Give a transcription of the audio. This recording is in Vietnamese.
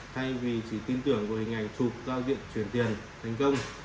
thay vì chỉ tin tưởng về hình ảnh thuộc giao diện chuyển tiền thành công